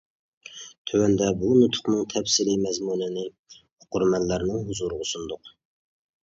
تۆۋەندە بۇ نۇتۇقنىڭ تەپسىلىي مەزمۇنىنى ئوقۇرمەنلەرنىڭ ھۇزۇرىغا سۇندۇق.